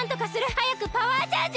はやくパワーチャージを！